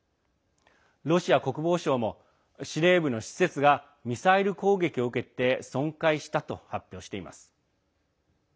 ロシア国防省も司令部の施設がミサイル攻撃を受けて損壊したと発表しています。